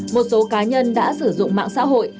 một số cá nhân đã sử dụng mạng xã hội